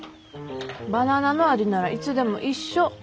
バナナの味ならいつでも一緒。